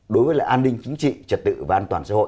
đối với lại an ninh chính trị trật tự và an toàn xã hội